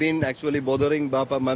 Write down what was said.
mencari apakah mereka baik atau tidak